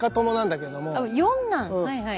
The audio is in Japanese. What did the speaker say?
はいはい。